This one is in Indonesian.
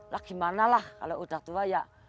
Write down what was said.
lah gimana lah kalau udah tua ya